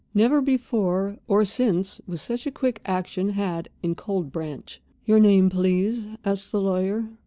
Never before or since was such quick action had in Cold Branch. "Your name, please?" asked the lawyer.